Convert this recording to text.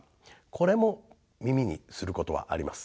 これも耳にすることはあります。